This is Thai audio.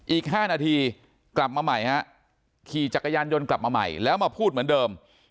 อีก๕นาทีกลับมาใหม่ฮะขี่จักรยานยนต์กลับมาใหม่แล้วมาพูดเหมือนเดิม